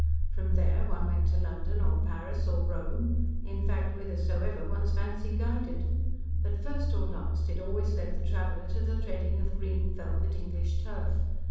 From there one went to London, or Paris, or Rome; in fact, whithersoever one's fancy guided, but first or last it always led the traveller to the treading of green, velvet English turf.